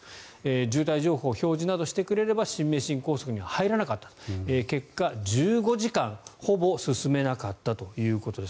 渋滞情報を表示などしてくれれば新名神高速には入らなかった結果、１５時間ほぼ進めなかったということです。